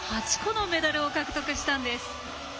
８個のメダルを獲得したんです。